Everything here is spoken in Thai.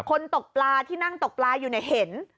คนตกปลาที่นั่งตกปลาอยู่ในเห็น